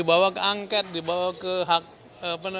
dibawa ke angket dibawa ke hak apa namanya